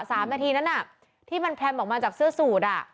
สามนาทีนั้นน่ะที่มันแพรมออกมาจากเสื้อสูตรอ่ะ